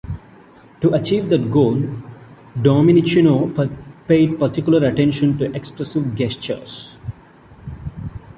To achieve that goal, Domenichino paid particular attention to expressive gestures.